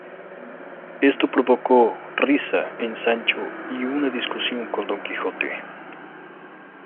Esto provocó risa en Sancho y una discusión con Don Quijote.